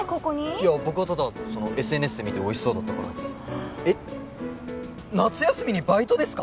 いや僕はただそのＳＮＳで見ておいしそうだったからああえっ夏休みにバイトですか？